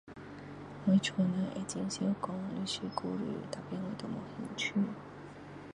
我家里人会很常跟我们说故事 tapi 我都没有兴趣